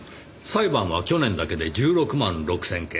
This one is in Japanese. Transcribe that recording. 裁判は去年だけで１６万６０００件。